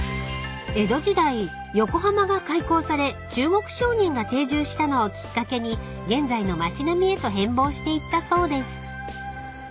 ［江戸時代横浜が開港され中国商人が定住したのをきっかけに現在の町並みへと変貌していったそうです］